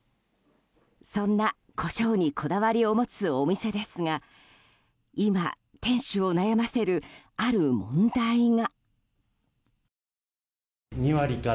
そんなコショウにこだわりを持つお店ですが今、店主を悩ませるある問題が。